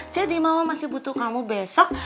jadi mama masih butuh kamu besok